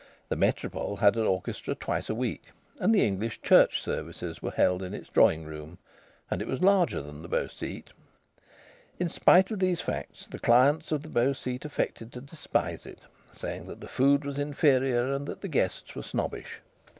The Métropole had an orchestra twice a week, and the English Church services were held in its drawing room; and it was larger than the Beau Site. In spite of these facts the clients of the Beau Site affected to despise it, saying that the food was inferior and that the guests were snobbish.